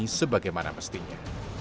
dhani sebagaimana mestinya